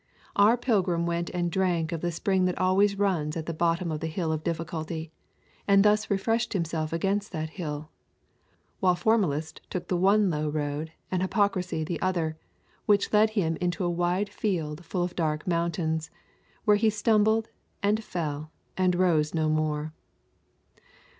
Our pilgrim went and drank of the spring that always runs at the bottom of the hill Difficulty, and thus refreshed himself against that hill; while Formalist took the one low road, and Hypocrisy the other, which led him into a wide field full of dark mountains, where he stumbled and fell and rose no more.